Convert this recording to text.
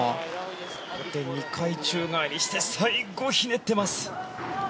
ここで２回宙返りして最後ひねってます。